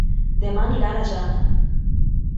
Demà anirà a la Jana.